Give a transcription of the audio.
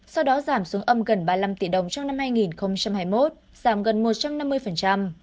sau đó giảm xuống âm gần ba mươi năm tỷ đồng trong năm hai nghìn hai mươi một giảm gần một trăm năm mươi